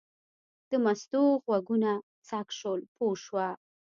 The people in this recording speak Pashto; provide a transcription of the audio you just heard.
د مستو غوږونه څک شول پوه شوه.